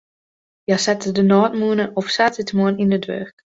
Hja sette de nôtmûne op saterdeitemoarn yn it wurk.